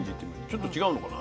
ちょっと違うのかな？